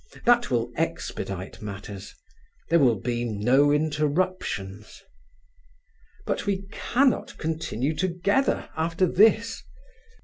That will expedite matters: there will be no interruptions…. "But we cannot continue together after this.